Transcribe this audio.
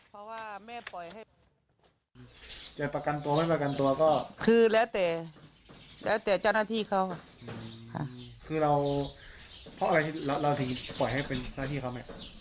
เพราะอะไรเราถึงปล่อยให้เป็นหน้าที่เขาไหม